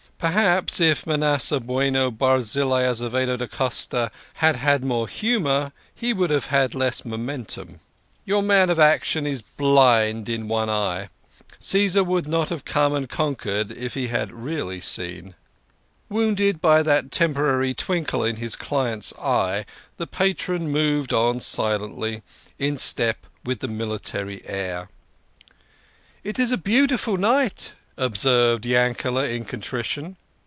Perhaps if Manasseh Bueno Barzillai Azevedo da Costa had had more humour he would have had less momentum. Your man of action is blind in THE KING OF SCHNORRERS. 63 one eye. Caesar would not have come and conquered if he had really seen. Wounded by that temporary twinkle in his client's eye, the patron moved on silently, in step with the military air. " It is a beautiful night," observed Yankeld in contrition.